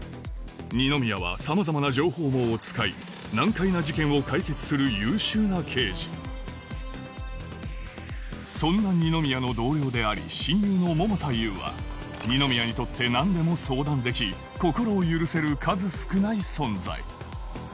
二宮は様々な情報網を使い難解な事件を解決する優秀な刑事そんな二宮の同僚であり親友の百田優は二宮にとって何でも相談でき心を許せる数少ない存在